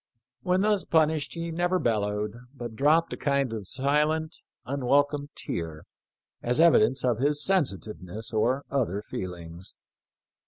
When thus punished he never bellowed, but dropped a kind of silent, unwelcome tear as evidence of his sensitiveness or other feelings."